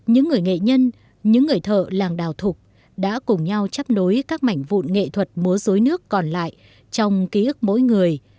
những người nghệ nhân những người thợ làng đào thục đã cùng nhau chấp nối các mảnh vụn nghệ thuật múa dối nước còn lại trong ký ức mỗi người